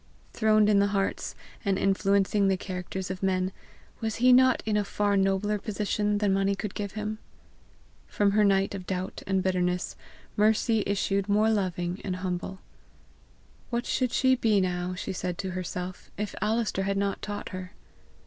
Throned in the hearts, and influencing the characters of men, was he not in a far nobler position than money could give him? From her night of doubt and bitterness Mercy issued more loving and humble. What should she be now, she said to herself, if Alister had not taught her?